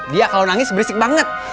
dia kalau nangis berisik banget